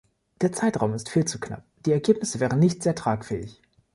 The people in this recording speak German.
Der Zeitraum ist viel zu knapp, die Ergebnisse wären nicht sehr tragfähig.